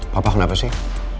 papa kenapa sih